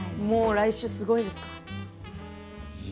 来週、すごいですか。